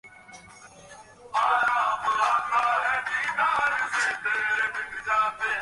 আঃ কী বর-বর করছিস।